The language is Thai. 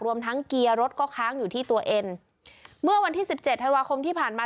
รวมทั้งเกียร์รถก็ค้างอยู่ที่ตัวเองเมื่อวันที่สิบเจ็ดธันวาคมที่ผ่านมา